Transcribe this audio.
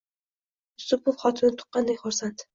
Yusupov xotini tuqqandek xursand.